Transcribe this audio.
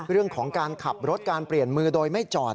เรื่องของการขับรถการเปลี่ยนมือโดยไม่จอด